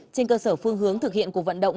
trên cơ sở phương hướng thực hiện cuộc vận động